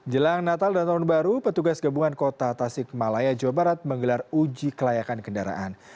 jelang natal dan tahun baru petugas gabungan kota tasik malaya jawa barat menggelar uji kelayakan kendaraan